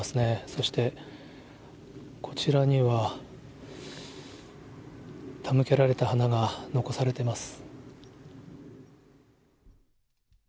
そして、こちらには、手向けられた花が残されてます。